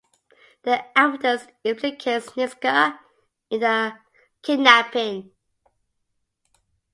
The evidence implicates Niska in the kidnapping.